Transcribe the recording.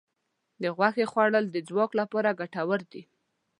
د غوښې خوړل د ځواک لپاره ګټور دي.